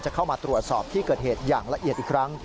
เข้ามาตรวจสอบที่เกิดเหตุอย่างละเอียดอีกครั้ง